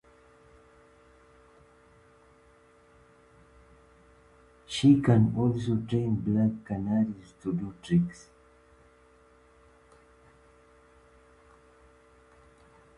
She can also train black canaries to do tricks.